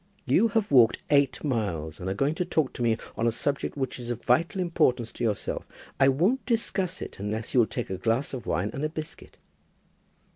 You have walked eight miles, and are going to talk to me on a subject which is of vital importance to yourself. I won't discuss it unless you'll take a glass of wine and a biscuit."